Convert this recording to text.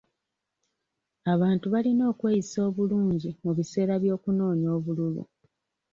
Abantu balina okweyisa obulungi mu biseera by'okunoonya obululu.